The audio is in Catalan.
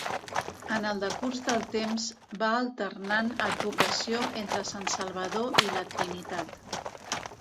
En el decurs del temps va alternant advocació entre Sant Salvador i la Trinitat.